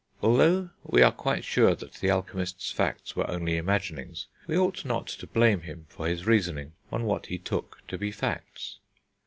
Although we are quite sure that the alchemist's facts were only imaginings, we ought not to blame him for his reasoning on what he took to be facts.